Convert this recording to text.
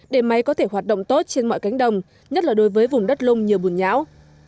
để máy có thể hoạt động tốt trên mọi cánh đồng nhất là đối với vùng đất lông nhiều bùn nhão